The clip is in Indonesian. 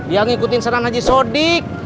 yang ngikutin serang haji sodik